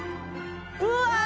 うわ！